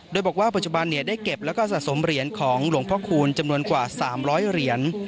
โดยบอกว่าปัจจุบันได้เก็บแล้วก็สะสมเหรียญของหลวงพ่อคูณจำนวนกว่า๓๐๐เหรียญ